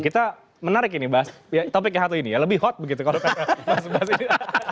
kita menarik ini bahas topik yang satu ini ya lebih hot begitu kalau kata mas bas ini